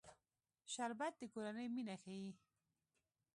شربت د کورنۍ مینه ښيي